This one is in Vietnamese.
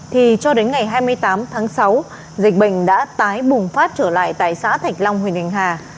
thì cho đến ngày hai mươi tám tháng sáu dịch bệnh đã tái bùng phát trở lại tại xã thạch long huyện khánh hà